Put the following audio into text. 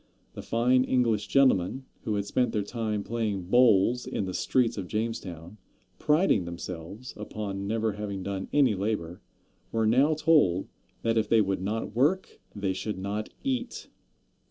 The fine English gentlemen, who had spent their time playing bowls in the streets of Jamestown, priding themselves upon never having done any labor, were now told that if they would not work they should not eat.